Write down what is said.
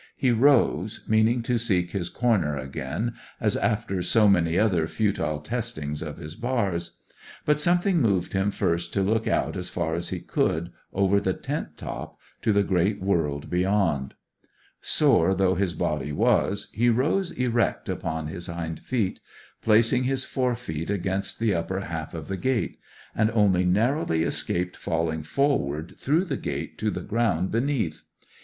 He rose, meaning to seek his corner again, as after so many other futile testings of his bars; but something moved him first to look out as far as he could, over the tent top, to the great world beyond. Sore though his body was, he rose erect upon his hind feet, placed his fore feet against the upper half of the gate, and only narrowly escaped falling forward through the gate to the ground beneath.